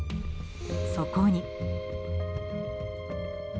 そこに。